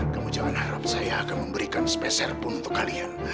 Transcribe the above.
kamu jangan harap saya akan memberikan speserpun untuk kalian